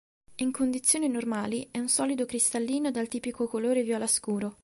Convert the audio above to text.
In condizioni normali è un solido cristallino dal tipico colore viola scuro.